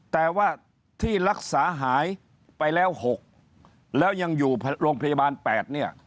แต่ว่าที่รักษาหายไปแล้ว๖แล้วยังอยู่โรงพยาบาล๘เนี่ย